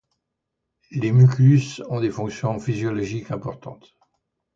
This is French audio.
Les mucus ont des fonctions physiologiques importantes.